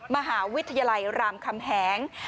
มหาวิทยาลัยรามคำแหง